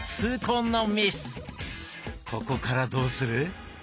ここからどうする？